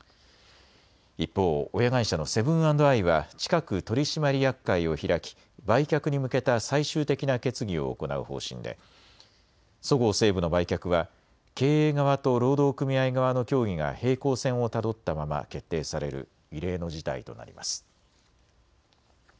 一方、親会社のセブン＆アイは近く取締役会を開き売却に向けた最終的な決議を行う方針でそごう・西武の売却は経営側と労働組合側の協議が平行線をたどったまま決定される異例の事態となります。